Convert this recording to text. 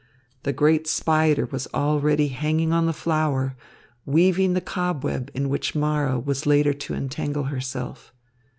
The great spider was already hanging on the flower, weaving the cobweb in which Mara was later to entangle herself.